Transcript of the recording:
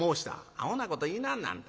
「アホなこと言いなはんなあんた。